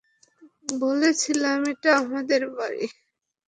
বলেছিলাম, এটা আমাদের বাড়ি।